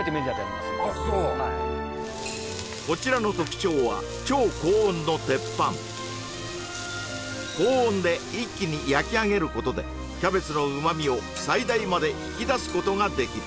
はいこちらの特徴は超高温の鉄板高温で一気に焼き上げることでキャベツの旨みを最大まで引き出すことができる